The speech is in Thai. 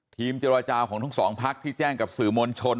ทีมเจรจาของทั้งสองพักที่แจ้งกับสื่อมวลชน